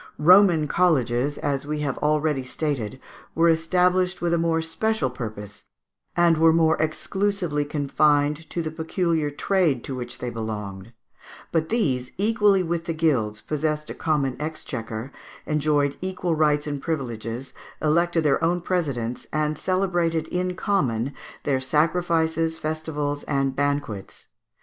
Roman colleges, as we have already stated, were established with a more special purpose, and were more exclusively confined to the peculiar trade to which they belonged; but these, equally with the guilds, possessed a common exchequer, enjoyed equal rights and privileges, elected their own presidents, and celebrated in common their sacrifices, festivals, and banquets.